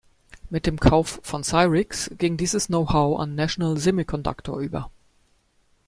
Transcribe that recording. Mit dem Kauf von Cyrix ging dieses Know-how an National Semiconductor über.